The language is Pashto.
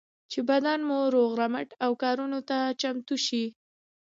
چې بدن مو روغ رمټ او کارونو ته چمتو شي.